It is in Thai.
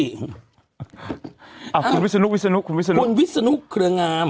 อ่าคุณวิศนุกคุณวิศนุกคุณวิศนุกคุณวิศนุกคุณวิศนุกเครืองาม